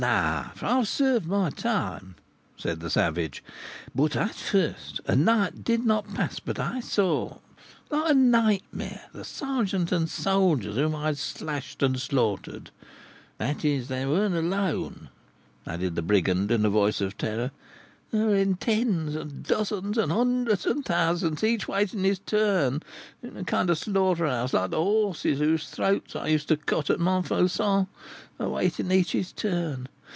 No; for I have served my time," said the savage; "but at first, a night did not pass but I saw like a nightmare the sergeant and soldiers whom I had slashed and slaughtered; that is, they were not alone," added the brigand, in a voice of terror; "these were in tens, and dozens, and hundreds, and thousands, each waiting his turn, in a kind of slaughter house, like the horses whose throats I used to cut at Montfauçon, awaiting each his turn.